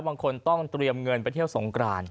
บางคนต้องเตรียมเงินไปเที่ยวสงกราน